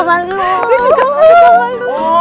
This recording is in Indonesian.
gua juga kangen sama lu